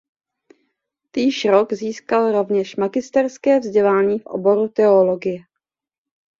Týž rok získal rovněž magisterské vzdělání v oboru teologie.